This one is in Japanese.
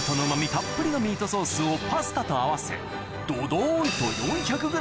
たっぷりのミートソースをパスタと合わせどどんと４００ｇ